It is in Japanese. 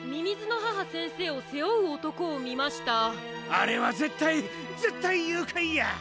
あれはぜったいぜったいゆうかいや！